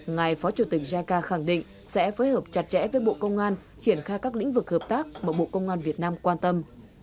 ngài phó chủ tịch jica khẳng định sẽ phối hợp chặt chẽ với bộ công an triển khai các lĩnh vực hợp tác mà bộ công an việt nam quan tâm